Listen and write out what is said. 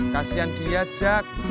kasian dia jack